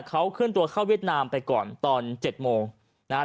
เขาเคลื่อนตัวเข้าเวียดนามไปก่อนตอนเจ็ดโมงนะฮะ